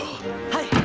はい！